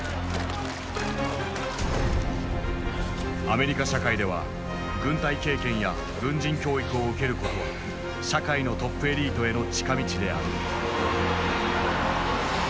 アメリカ社会では軍隊経験や軍人教育を受けることは社会のトップエリートへの近道である。